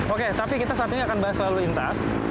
oke tapi kita saat ini akan bahas lalu lintas